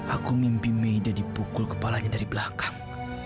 aku mimpi meida dipukul kepalanya dari belakang